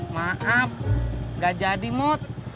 maaf nggak jadi mot